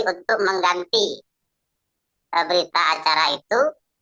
untuk mengganti berita acara itu